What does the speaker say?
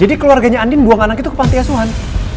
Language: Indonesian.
jadi keluarganya andin buang anak itu ke pantiasuhan